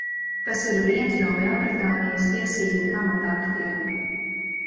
Tas ir viens no Lielbritānijas tiesību pamataktiem.